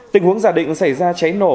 tình huống giả định xảy ra cháy nổ